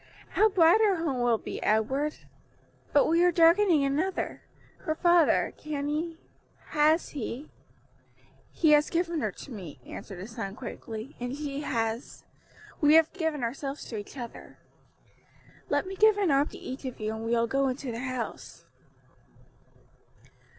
How bright our home will be, Edward. But we are darkening another. Her father; can he has he " "He has given her to me," answered the son quickly, "and she has we have given ourselves to each other. Let me give an arm to each of you and we will go into the house."